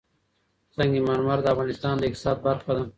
سنگ مرمر د افغانستان د اقتصاد برخه ده.